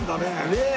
ねえ。